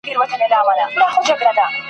یو اوزګړی د کوهي خولې ته نیژدې سو !.